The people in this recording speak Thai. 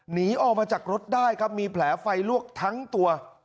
หนีออกมาจากรถได้ครับมีแผลไฟลวกทั้งตัว